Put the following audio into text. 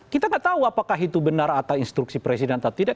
kita tidak tahu apakah itu benar atau instruksi presiden atau tidak